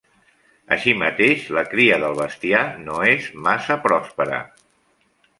Així mateix la cria del bestiar no és massa prospera.